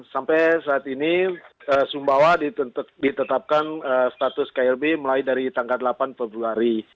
sampai saat ini sumbawa ditetapkan status klb mulai dari tanggal delapan februari